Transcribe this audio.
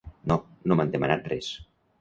No, no m’han demanat res.